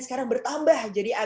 karena dia tuh lebih sibuk